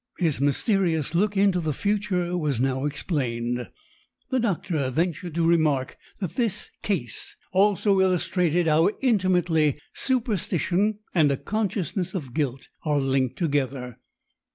His mysterious look into the future was now explained. The doctor ventured to remark that this "case" also illustrated how intimately superstition and a consciousness of guilt are linked together.